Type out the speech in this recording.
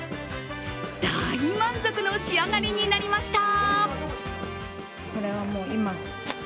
大満足の仕上がりになりました。